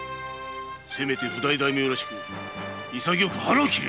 せめて譜代大名らしく潔く腹を切れ！